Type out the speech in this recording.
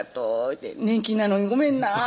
言うて「年金なのにごめんなぁ」